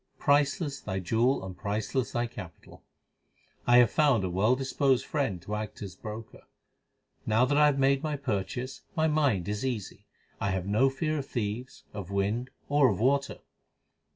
Priceless thy jewel and priceless thy capital. I have found a well disposed friend to act as broker. 1 Now that I have made my purchase my mind is easy. I have no fear of thieves, of wind, or of water.